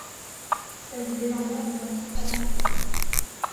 Sa vie légendaire demeure fort mal connue.